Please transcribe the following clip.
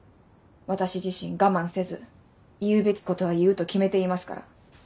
私自身我慢せず言うべきことは言うと決めていますから。